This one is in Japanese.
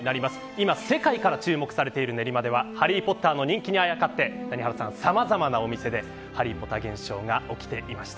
今世界から注目されている練馬ではハリー・ポッターの人気にあやかってさまざまなお店でハリポタ現象が起きていました。